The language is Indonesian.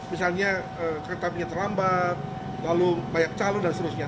misalnya keretanya terlambat lalu banyak calon dan seterusnya